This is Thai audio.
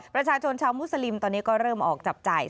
ประชาชนชาวมุสลิมตอนนี้ก็เริ่มออกจับจ่าย